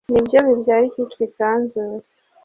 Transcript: nibyo bibyara ikitwa isanzure